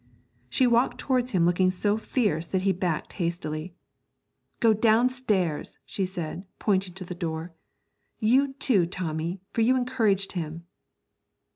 She walked towards him looking so fierce that he backed hastily. 'Go downstairs,' she said, pointing to the door. 'You, too, Tommy, for you encouraged him!'